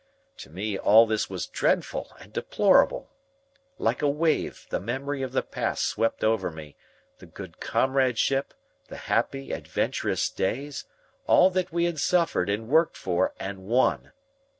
To me all this was dreadful and deplorable. Like a wave, the memory of the past swept over me, the good comradeship, the happy, adventurous days all that we had suffered and worked for and won.